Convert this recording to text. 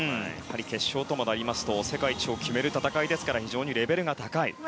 決勝ともなりますと世界一を決める戦いですから非常にレベルが高い。